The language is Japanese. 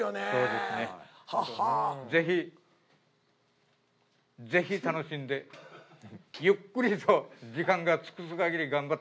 ぜひぜひ楽しんでゆっくりと時間が尽くす限り頑張ってください。